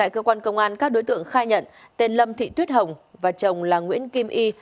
cơ quan công an các đối tượng khai nhận tên lâm thị tuyết hồng và chồng là nguyễn kim y